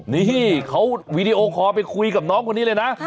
นี่เขาวีดีโอคอลไปคุยกับน้องคนนี้เลยนะ